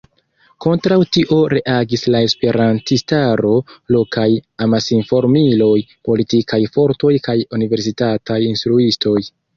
Kontraŭ tio reagis la esperantistaro, lokaj amasinformiloj, politikaj fortoj kaj universitataj instruistoj.